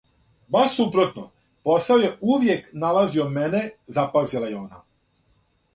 "Баш супротно, посао је увијек налазио мене," запазила је она."